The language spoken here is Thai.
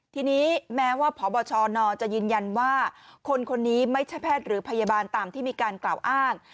ทีนี้แม้ว่าพบชนจะยืนยันว่าคนคนนี้ไม่ใช่แพทย์หรือพยาบาลตามที่มีการกล่าวอ้าง